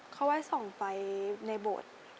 เขาไว้ส่องไปในโบสถ์